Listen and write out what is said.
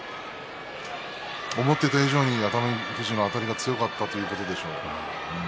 思っていた以上に熱海富士のあたりが強かったということでしょう。